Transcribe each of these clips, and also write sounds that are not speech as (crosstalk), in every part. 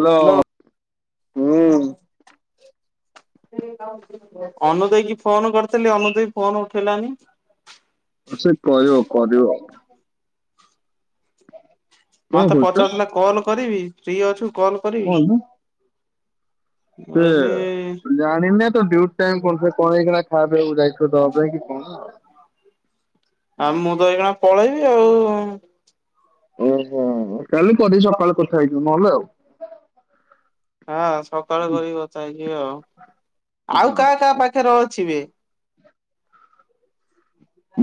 Hello, ହୁଁ। ଅନୁ ଦେଇକି phone କରିଥିଲି। ଅନୁ ଦେଇ ଫୋନ୍ ଉଠେଇଲାନି? ସେ କହିବ କରିବ। କଣ ମତେ କରୁଛ ପଚାରୁଥିଲା କଲ୍ କରିବି ଫ୍ରୀ ଅଛୁ କଲ୍ କରିବି କୁହନ୍ତୁ? ମୁଁ କହିଲି (unintelligible) ଜାଣିନେ ତ ଡ୍ୟୁଟି ଟାଇମ କଣ ସେ କଣ ଏଇଖାନ ଖାଇବାକୁ ଯାଇଥିବ ଦବା ପାଇଁ କି କଣ ଆଉ। ଆଉ ମୁଁ ତ ଏଇଖିଣା ପଳେଇବି ଆଉ। ଓହୋ। କାଲି କରିକି ସକାଳେ କଥା ହେଇଯିବୁ ନହେଲେ ଆଉ। ହଁ ସକାଳୁ କରିକି କଥା ହେଇଯିବି ଆଉ। ଆଉ ହଁ କାହା କାହା ପାଖରେ ଅଛି ବେ?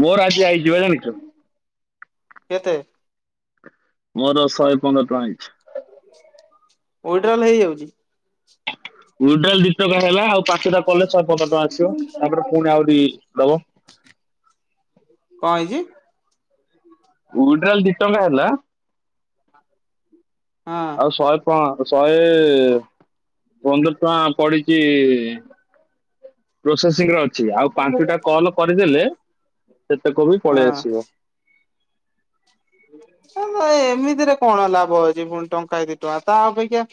ମୋର ଆଜି ଆଇଚି ବା ଜାଣିଛୁ? କେତେ? ମୋର ଶହେ ପନ୍ଦର ଟଙ୍କା ହେଇଛି। ଉଇଡ୍ରାଲ୍ ହେଇଯାଉଛି। ଉଇଡ୍ରାଲ୍ ଦି ଟଙ୍କା ହେଲା ଆଉ ପାଞ୍ଚଟା କଲେ ଶହେ ପନ୍ଦର ଟଙ୍କା ଆସିବ, ତାପରେ ପୁଣି ଆହୁରି ଦବ। କଣ ହେଇଛି? ୱିଡ୍ରାଲ୍ ଦି ଟଙ୍କା ହେଲା (inaudible) ହଁ। ଆଉ ଶହେ କଣ, ଶହେ ପନ୍ଦର ଟଙ୍କା ପଡିଛି। ପ୍ରୋସେସିଂ ରେ ଅଛି। ଆଉ ପାଞ୍ଚଟା କଲ୍ କରିଦେଲେ, ସେତକ ବି ପଳେଇ ହଁ। ଆସିବ। ନା ନାଇଁ ଏମିତିରେ କଣ ଲାଭ ଅଛି ଫୁଣି, ଟଙ୍କାଏ ଦି ଟଙ୍କା ତା ଅପେକ୍ଷା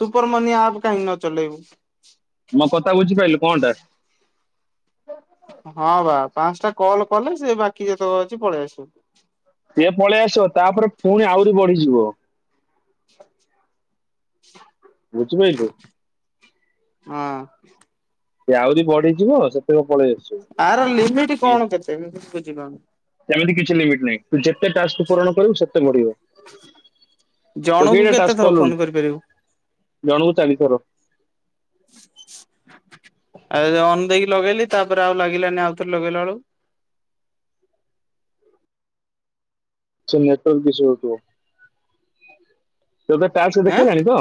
ସୁପର ମନି ଆପ୍ କାହିଁ ନ ଚଲେଇବୁ। ମୋ କଥା ବୁଝିପାଇଲୁ କଣଟା? ହଁ ବା ପାଂସଟା କଲ କଲେ ସେ ବାକି ଯେତକ ଅଛି ପଳେଇ ଆସିବ। ସିଏ ପଳେଇ ଆସିବ ତାପରେ ଫୁଣି ଆହୁରି ବଢିଯିବ। ବୁଝିପାଇଲୁ? ହଁ। ସେ ଆହୁରି ବଢିଯିବ ସେ ପଳେଇ ଆସୁ। ଆର ଲିମିଟ କଣ କେତେ ମୁଁ ବୁଝିପାରୁନି? ସେମିତି କିଛି ଲିମିଟ ନାହିଁ ତୁ ଯେତେ ଟାସ୍କ ପୂରଣ କରିବୁ ସେତେ ବଢିବ। ତୁ ଜଣଙ୍କୁ କେଇଟା କେତେ ଟାସ୍କ ଥର କଲୁଣି ଫୋନ କରିପାରିବୁ? ଜଣକୁ ଚାରିଥର। ଆଉ ଅନୁ ଦେଇ କି ଲଗେଇଲି ତାପରେ ଆଉ ଲାଗିଲାନି ଆଉଥରେ ଲଗେଇଲା ବେଳକୁ। ସେ ନେଟୱର୍କ ଇସ୍ୟୁ ହେଇଥିବ। ତତେ ଟାସ୍କ ଆଁ ଦେଖେଇଲାଣି ତ?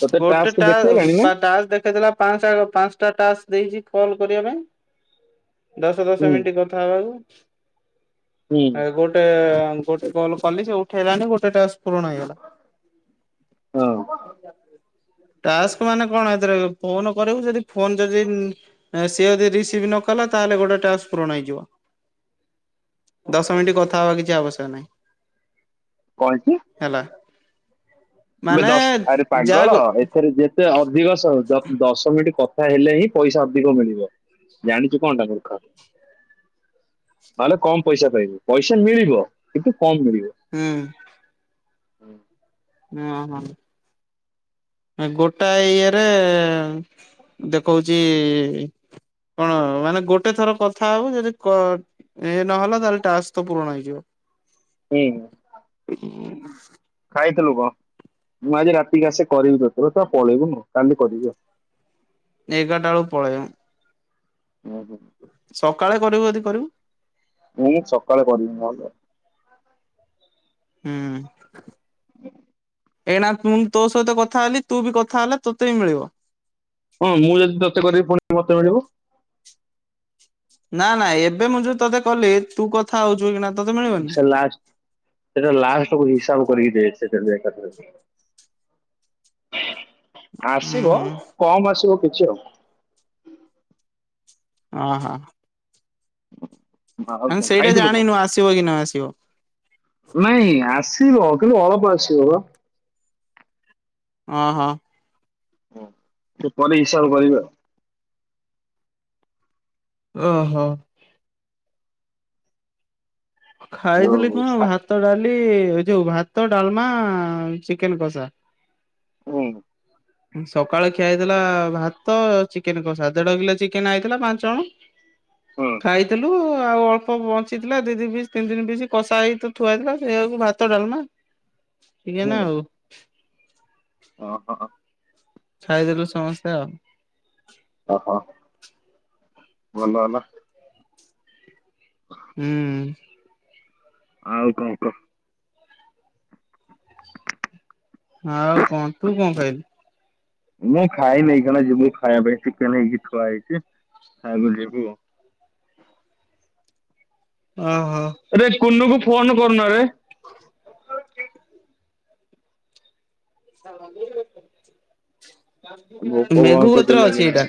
ତୋତେ ଗୋଟେ ଟାସ୍କ ଟା ଦେଖେଇଲାଣି ନା ତା ଟାସ୍କ ଦେଖେଇ ଦେଲା ପାଟା ପାଂସଟା ଟା ଟାସ୍କ ଦେଇଛି କଲ୍ କରିବା ପାଇଁ। ଦଶ ହୁଁ ଦଶ ମିନିଟ କଥା ହବାକୁ। ହୁଁ ଆଗରୁ ଗୋଟେ ଗୋଟେ କଲ୍ କଲି ସେ ଉଠେଇଲାନି ଗୋଟେ ଟାସ୍କ ପୂରଣ ହେଇଗଲା। ହଁ। ଟାସ୍କ ମାନେ କଣ ଏଥିରେ ଫୋନ କରିବୁ ଯଦି ଫୋନ ଯଦି ନା ସିଏ ଯଦି ରିସିଭ୍ ନ କଲା ତାହେଲେ ଗୋଟେ ଟାସ୍କ ପୂରଣ ହେଇଯିବ। ଦଶ ମିଣ୍ଟି କଥା ହବା କିଛି ଆବଶ୍ୟକ ନାହିଁ। କହିଛି ହେଲା। ତମେ ମାନେ ଦଶ୍ ଆରେ ଯାହା ପାଗଳ ଗୋ ଏଥେରେ ଯେତେ ଅଧିକ ସ (unintelligible) ଦଶ ମିଣ୍ଟି କଥା ହେଲେ ହିଁ ପଇସା ଅଧିକ ମିଳିବ। ଜାଣିଚୁ କଣଟା ମୂର୍ଖ। ନହେଲେ କମ୍ ପଇସା ପାଇବୁ। ପଇସା ମିଳିବ କିନ୍ତୁ କମ୍ ମିଳିବ। ହୁଁ। ଓ ହଁ। ଗୋଟାଏ ଇଏରେ ଦେଖଉଚି କଣ ମାନେ ଗୋଟେ ଥର କଥା ହବୁ ଯଦି କ ଇଏ ନହେଲା ତାହେଲେ ଟାସ୍କ ତ ପୂରଣ ହେଇଯିବ। ହୁଁ ହୁଁ। (inaudible) ଖାଇଥିଲୁ କଣ? ମୁଁ ଆଜି ରାତିିକି ଆସେ କରିବି ତତେ ତୁ ତ ପଳେଇବୁନୁ କାଲି କରିବି ଆଉ। ଏଗାରଟା ବେଳୁକୁ ପଳେଇବା। (unintelligible) ସକାଳେ କରିବ ଯଦି କରିବୁ। ମୁଁ ସକାଳେ କରିବି ନହେଲେ ହୁଁ। (inaudible) ଏଇନା ପୁଣି ତୋ ସହିତ କଥା ହେଲି ତୁ ବି କଥା ହେଲେ ତୋତେ ବି ମିଳିବ। ହଁ ମୁଁ ଯଦି ତତେ କରିବି ପୁଣି ମତେ ମିଳିବ। ନା ନା ଏବେ ମୁଁ ଯୋଉ ତତେ କଲି ତୁ କଥା ହଉଚୁ ଏଇକିନା ସେ ଲାଷ୍ଟ ସେଟା ଲାଷ୍ଟକୁ ହିସାବ କରିକି ଦେବେ ସେ ଏକାଥେରେ। (inaudible) ହୁଁ ଆସିବ ହୁଁ କମ୍ ଆସିବ କିଛି ଆଉ। ଅ ହ। ଆଉ ମାନେ କଣ ସେଇଟା ଖାଇଥିଲୁ କଣ? ଜାଣିନୁ ଆସିବ କି ନ ଆସିବ? ନାଇଁ ଆସିବ କିନ୍ତୁ ଅଳପ ଆସିବ ପା। ଅ ହଁ। ହଁ ପରେ ହିସାବ କରିବେ। ଓହୋ। ଖାଇଥିଲି ଯୋଉ କଣ ଖା- ଭାତ ଡାଲି ଏ ଯୋଉ ଭାତ ଡାଲମା ଚିକେନ କଷା। ହୁଁ ସକାଳେ ଖିଆ ହେଇଥିଲା ଭାତ ଚିକେନ କସା। ଦେଢ କିଲୋ ଚିକେନ ହେଇଥିଲା ପାଞ୍ଚ ଜଣ। ହୁଁ (inaudible) ଖାଇଥିଲୁ ଆଉ ଅଳ୍ପ ବଞ୍ଚିଥିଲା ଦି ଦି ପିସ୍ ତିନି ତିନି ପିସ୍ ତ କଷା ହେଇକି ତ ଥୁଆ ହେଇଥିଲା ସେଇଆକୁ ଭା ଭାତ ଡାଲମା ଚିକେନ ଆଉ। ଅ ହ। ଖାଇଦେଲୁ ସମସ୍ତେ ଆଉ। ଓ ହୋ ଭଲ ହେଲା। (inaudible) ହୁଁ। ଆଉ କଣ କ? ଆଉ କଣ ତୁ କଣ ଖାଇଲୁ? ମୁଁ ଖାଇ ନାଇଁ ଏଇଖେଣା ଯିବୁ ଖାଇବା ପାଇଁ ଚିକେନ ହେଇକି ଥୁଆ ହେଇଚି ଖାଇବୁ ଯିବୁ ଆଉ। ଓ ହୋ। ଆରେ କୁନୁକୁ ଫୋନ କରୁନ ରେ। (inaudible) (inaudible) ଭୋକ ମେଘୁ ଭୟଙ୍କର ଜୋରେ କତିରେ ଅଛି ଏଇଟା। ଲାଗିଲାଣି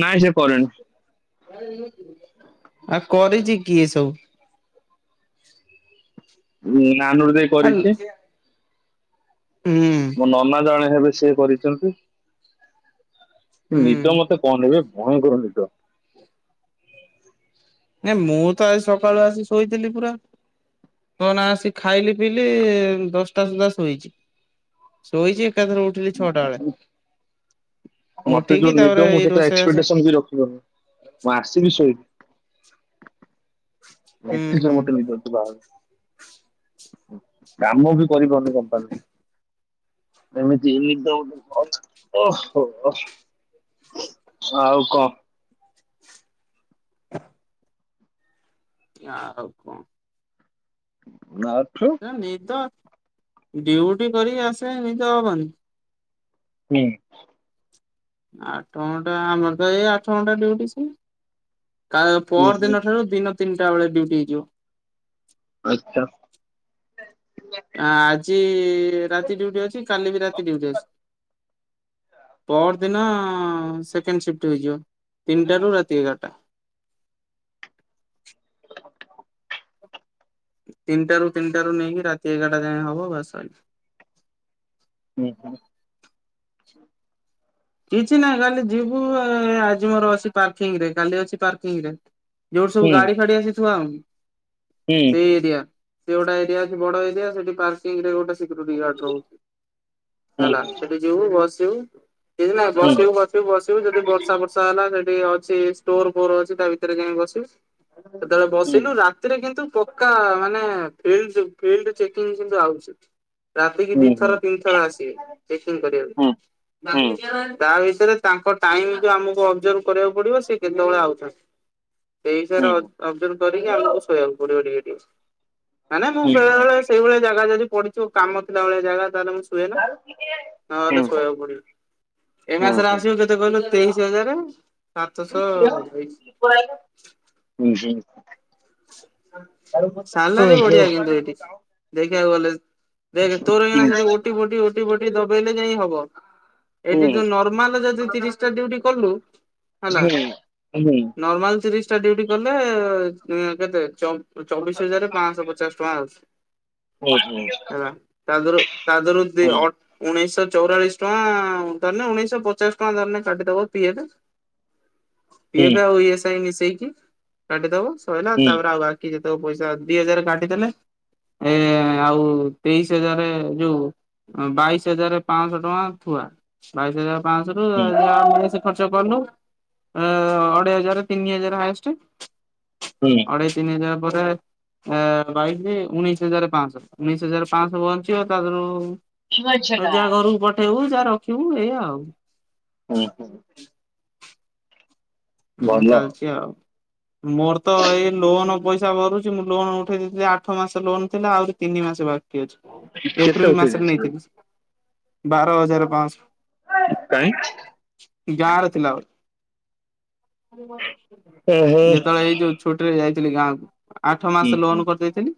ନାଇଁ ସେ କରିନି। ଆଉ କରିଛି କି ଏ ସବୁ। ନାନୁ ଦେ। (unintelligible) ହୁଁ। ନନା ଜଣେ ହେବେ ସେ କରିଛନ୍ତି ନିଦ ହୁଁ ମତେ କହନି ବେ ଭୟଙ୍କର ନିଦ। ଏ ମୁଁ ତ ଆଜି ସକାଳୁ ଆସି ଶୋଇଥିଲି ପୁରା। କହନା ଆସି ଖାଇଲି ପିଇଲି ଦଶଟା ସୁଦ୍ଧା ଶୋଇଛି। ଶୋଇଛି ଏକାଥର ଉଠିଲି ଛଅଟା ବେଳେ। ମତେ ଯୋଉ ଉଠିକି ତାପରେ ନିଦ ମୁଁ ଏଇ ସେଟା ରୋଷେଇବାସ ଏକ୍ସପେକ୍ଟେସନ ବିରଖିନଥିଲି ମୁଁ ଆସିବି ଶୋଇବି। ହୁଁ ଏତେ ଯୋର ହୁଁ ମତେ ନିିଦ ବା କାମ ବି କରିି ପାରୁନି କମ୍ପାନୀରେ। ଏମିତି ନିଦ ଓହୋ। ଆଉ କଣ? ଆ କଣ? (unintelligible) ନା ନିଦ ଡ୍ୟୁଟି କରିକି ଆସେ ନିଦ ହବନି। ହୁଁ। ଆଠ ଘଣ୍ଟା ଆମର ତ ଏଇ ଆଠ ଘଣ୍ଟା ଡିଉଟି ସେଇ। କା ହୁଁ ହୁଁ ପରଦିନ ଠାରୁ ଦିନ ତିନିଟା ବେଳେ ଡ୍ୟୁଟି ହେଇଯିବ। ଆଚ୍ଛା। ଆଜି ରାତି ଡ୍ୟୁଟି ଅଛି କାଲି ବି ରାତି ଡ଼ିଉଟି ଅଛି। ପରଦିନ ସେକେଣ୍ଡ ସିଫ୍ଟ ହେଇଯିବ ତିନିଟା ରୁ ରାତି ଏଗାର। ତିନିଟାରୁ ତିନିଟାରୁ ନେଇକି ରାତି ଏଗାରଟା ଯାଏଁ ହବ ବାସ ଶଇଲା। ହୁଁ ହୁଁ। କିଛି ନାଇଁ ଖାଲି ଯିବୁ ଆଜି ମୋର ଅଛି ପାର୍କିଂରେ କାଲି ଅଛି ପାର୍କିଂ ରେ। ଯୋଉ ସବୁ ହୁଁ ଗାଡି ଫାଡି ଆସି ଥୁଆ ହଉନି ହୁଁ ସେଇ ଏରିଆ ସେ ଗୋଟା ଏରିଆ ଅଛି ବଡ ଏରିଆ ସେଠି ପାର୍ ପାର୍କିଙ୍ଗ ରେ ଗୋଟେ ସିକ୍ୟୁରିଟି ଗାର୍ଡ଼ ଥିବୁ ହେଲା ସେଠି ଯିବୁ ବସିବୁ କିଛି ନା ବସିବୁ ବସି ବସିବୁ ଯଦି ବର୍ଷା ବର୍ଷା ହେଲା ସେଠି ଅଛି ଷ୍ଟୋର ଫୋର ଅଛି ତା ଭିତରେ ଯାଇ ବସିବୁ। ସେତେବେଳେ ବସିଲୁ ରାତି ଥିରେ କିନ୍ତୁ ପକ୍କା ମାନେ ଫିଲ୍ଡ ଚେକିଙ୍ଗ କିନ୍ତୁ ଆଉଛୀ। ରାତିକି ଦିଥର ତିନିଥର ଆସିବେ ଚେକିଂ କରିବାକୁ। (unintelligible) ତା ଭିତରେ ତାଙ୍କ ଟାଇମ ଯ ଆମକୁ ଅବଜର୍ଭ କରିବାକୁ ପଡିବ ସେ କେତେବେଳେ ଆଉଚନ୍ତି। ସେଇ ହିସୟରେ ଅବଜୁଲ କରିକି ଆମକୁ ଶୋଇବାକୁ ପଡିବ ଟିକେ ଟିକେ। ମାନେ ମୁଁ ବେଳେ ବେଳେ ସେଇଭଳିଆ ଜାଗା ଯଦି ପଡିିଥିବ କାମ ଥିଲା ଭଳିଆ ଜାଗା ତାହେଲେ ମୁ ଶୁଏ ନା ନହେଲେ ଶୋଇବାକୁ ପଡିବ। ଏ ମାସରେ ଆସିବ କେତେ କହିଲୁ ତେଇଶି ହଜାର ସାତଶହ ବାଇଶି। (unintelligible) ସାଲାରୀ ବଢିଆ କିନ୍ତୁ ଏଠି (inaudible) ଦେଖେ ତୋର ଏଇନା ସେଠି ଓଟି ଫୋଟି ଦବେଇ ଲେ ଯାଇଁ ହବ। ଏଇଠି, ତୁ ନର୍ମାଲ୍ ଯଦି ତିରିଶ୍ ଟା ଡ୍ୟୁଟି କଲୁ। ନର୍ମାଲ୍ ତିରିଶ୍ ଟା ଡ୍ୟୁଟି କଲେ। କେତେ ଚ ଚବିଶ୍ ହଜାରେ ପାଆନ୍ସ ପଚାଶ୍ ଟଙ୍କା ଆ ତା'ଦୁରୁ ତା'ଦୁରୁ ଉଣେଇଶ ଚଉରାଳିଶ୍ ଟ। ଧରିନେ ଉଣେଇଶ ପଚାଶ୍ ଟଙ୍କା, ଧରିନେ କାଟିଦବ ପିଏ ପିଏଫେ, ଆଉ ମିଶେଇକି କାଟିଦବ ସଇଲା। ତା'ପରେ ଆଉ ବା ଯେତକ ପଇସା ଦି ହଜାରେ କାଟି ଦେଲେ। ଏ, ଆଉ ତେଇଶ୍ ହଜାରେ ଯଉ ବାଇଶି ହଜାରେ ପାଆନ୍ସ ଟଙ୍କା ଥୁଆ। ବାଇଶି ହଜାର ପାଆନ୍ସ ରୁ ଖର୍ଚ୍ଚ କଲୁ, ଅଢ଼େଇ ହଜାରେ ତିନି ହଜାରେ ହା (inaudible) (inaudible) ବାଇଶି ଉଣେଇଶି ହଜାରେ ପାଆନ୍ସ, ଉଣେଇଶି ହଜାର ପାଆନ୍ସ ବଞ୍ଚିବ। ତା' ଯା ଘରକୁ ପଠେଇବୁ, ଯାହା ରଖିବୁ ଏୟା ଆଉ। (inaudible) ଭଲ ଚାଲ୍ଚି ଆଉ ମୋର ତ ଏଇ ଲୋନ ପଇସା ଭରୁଚି, ମୁଁ ଲୋନ ଉଠେଇ ଦେଇଥିଲି ଆଠ ମାସ୍‌ ଲୋନ ଥିଲା। ଆଉରି ତିନି ମାସେ ବା କେତେ ଏପ୍ରିଲ୍ ଉଠେଇ ମା--ରେ ଦେଇଥିଲୁ ନେଇଥିଲି, ବାର ହଜାର୍ ପାଆନ୍ସ। (inaudible) ଗାଁ'ରେ ଥିଲା ଓହୋ ଯେତେ--ଳେ, ଏଯଉ ଛୁ---ରେ ଯାଇଥିଲି ଗାଁ'କୁ। ଆଠ ହୁଁ ମାସେ ହୁଁ ଲୋନ୍ କରି ଦେଇଥିଲି।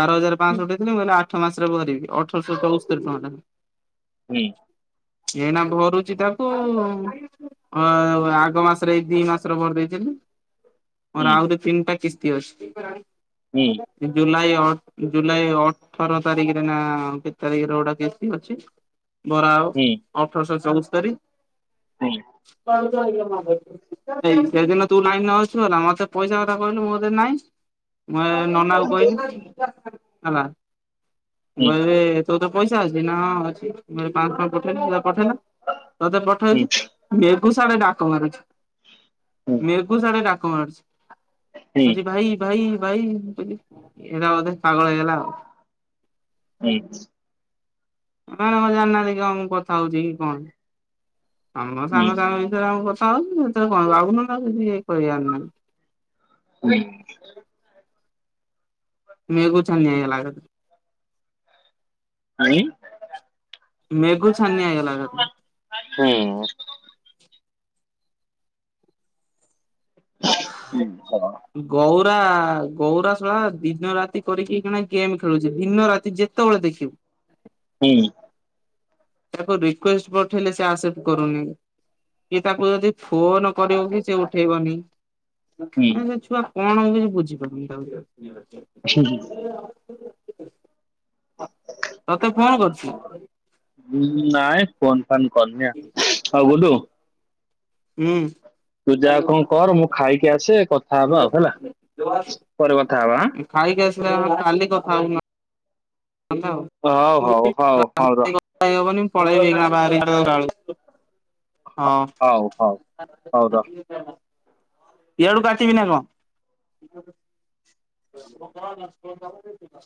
ବାର ହଜାର୍ ପାଆନ୍ସ ଥିଲି। ଆଠ ମାସ୍‌ରେ ରିବି ଅଠର୍ଶ ଚଉସ୍ତୋରି ଟଙ୍କା ଟା। ହୁଁ ଏଇନା ଭରୁଚି ତାକୁ। ଆଗ ମାସ୍‌ ଦି ମାସର ଭରି ଦେଇ, ହୁଁ ହୁଁ ମୋର ଆ--ରି ତିନ୍‌ଟା କିସ୍ତି ଅଛି। (inaudible) (inaudible) ତାରି--ରେ ନା, କେତ୍ ତାରିକ୍ ରେ ଗୋଟେ କିସ୍ତି ଅଛି। ହୁଁ ହୁଁ ହୁଁ ହୁଁ ହୁଁ ହୁଁ ଅଠର୍ଶ ଚଉସ୍ତରି (inaudible) (inaudible) (inaudible) (inaudible) (inaudible) ଡାକ ମାରୁଛି। ମେଘୁ ଆଡେ ଡାକ ମାରୁୁଛି, କଉ ହୁଁ ଭାଇ ଭାଇ ଭାଇ, ମୁଁ କହି ଏଟା ବଧେ ପାଗଳ ହେଇଗଲା ଆଉ। (inaudible) (unintelligible) ହଁ (unintelligible) ଆ ମେଘ ଛାନିଆ ହେଇଗଲା (inaudible) ହ ହ ଗଉରା, ଗଉରା ଶଳା ଦିନ ରାତି କରିକି ଗେମ୍ ଖେଳୁଚି। ଦିନ ରାତି ଯେତେବେଳେ ଦେଖି ହୁଁ ତାକୁ ରିକ୍ୟୁଷ୍ଟ ପଠେଇଲେ ସେ ଆସେପ୍ଟ କରୁନି। କି ତାକୁ ଯଦି ଫୋନ କରିବ ବି ସେ ଉଠେଇବନି। ହୁଁ ମାନେ ସେ ଛୁଆ କଣ ମୁଁ କିଛି ବୁଝିପାରୁନି। ହୁଁ ତତେ ଫୋନ କରୁଚି ଉଁ ନାଇଁ ଫୋନ ଫାନ୍ କରନି ଆଉ ହଉ ଗୁଡୁ ହୁଁ। ତୁ ଜା ଙ୍କ କର ମୁଁ ଖାଇକି ଆସେ କଥା ହବା ଆଉ ହେଲା ପରେ କଥା ହବା ଆଁ। ଖାଇକି ଆସିଲେ ହବନି କାଲି କଥା ହଉନ। କଥା ଆଁ ହଉ ହଉ ହବ ହଉ ହଉ ରହ କଥା ହେଇ ହବନି ମୁଁ ପଳେଇବି ଏଇନା ବାହାରିକି ଚାରଟା ବେଳକୁ। ହଁ। ହଉ ହଉ ହଉ ରହ। ଇଆଡୁ କାଟିବି ନା ଙ୍କ? (inaudible)